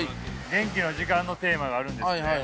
ゲンキの時間のテーマがあるんですね